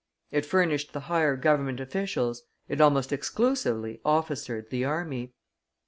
It furnished the higher Government officials, it almost exclusively officered the army.